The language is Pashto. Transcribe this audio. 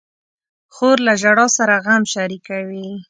خور له ژړا سره غم شریکوي.